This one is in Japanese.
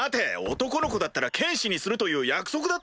男の子だったら剣士にするという約束だったろう。